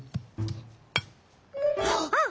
あっ。